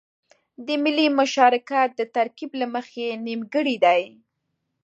د ملي مشارکت د ترکيب له مخې نيمګړی دی.